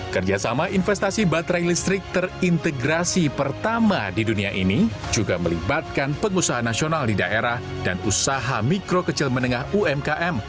kerjasama investasi baterai listrik terintegrasi pertama di dunia ini juga melibatkan pengusaha nasional di daerah dan usaha mikro kecil menengah umkm